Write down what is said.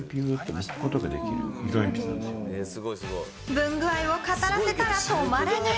文具愛を語らせたら止まらない！